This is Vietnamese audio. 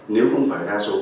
nếu không phải đa số